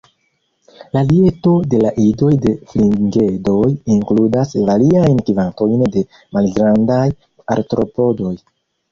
La dieto de la idoj de Fringedoj inkludas variajn kvantojn de malgrandaj artropodoj.